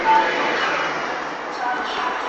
زه مخکي مځکي ته کتلې وې.